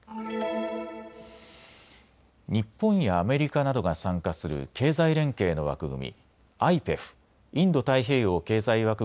日本やアメリカなどが参加する経済連携の枠組み